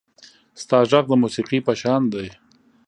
• ستا غږ د موسیقۍ په شان دی.